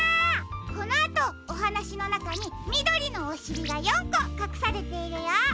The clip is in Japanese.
このあとおはなしのなかにみどりのおしりが４こかくされているよ。